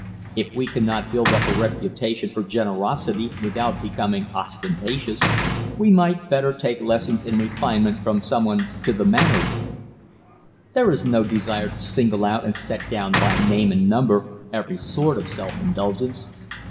If we cannot build up a reputation for generosity without becoming ostentatious we might better take lessons in refinement from someone "to the manor born." There is no desire to single out and set down by name and number every sort of self indulgence.